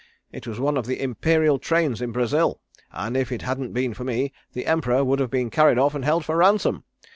It was one of the Imperial trains in Brazil, and if it hadn't been for me the Emperor would have been carried off and held for ransom.